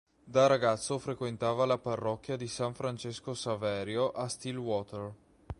Da ragazzo frequentava la parrocchia di San Francesco Saverio a Stillwater.